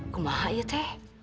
gembira ya teh